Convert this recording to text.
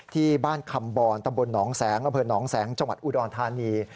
ที่บ้านคำบรตำบลหนองแสงอำเภอหนองแสงจังหวัดอุดรธานี